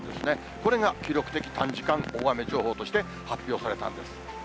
これが記録的短時間大雨情報として発表されたんです。